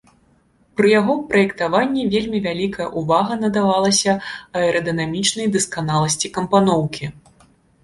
Пры яго праектаванні вельмі вялікая ўвага надавалася аэрадынамічнай дасканаласці кампаноўкі.